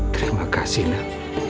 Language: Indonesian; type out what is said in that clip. terima kasih nak